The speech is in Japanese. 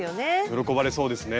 喜ばれそうですね。